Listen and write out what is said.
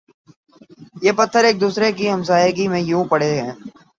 یہ پتھر ایک دوسرے کی ہمسائیگی میں یوں پڑے ہیں